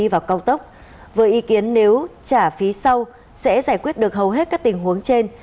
với ý kiến nếu trả phí sau sẽ giải quyết được hầu hết các tình huống trên